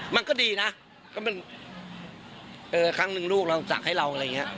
มันก็ดีนะก็เป็นเออครั้งหนึ่งลูกเราสักให้เราอะไรอย่างนี้